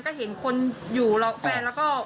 ก็เห็นคนอยู่รอแฟนแล้วก็